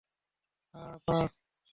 হা, পাঁচ।